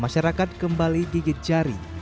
masyarakat kembali gigit jari